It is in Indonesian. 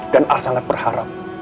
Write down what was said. dan al sangat berharap